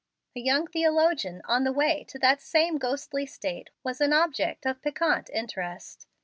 A young theologian on the way to that same ghostly state was an object of piquant interest.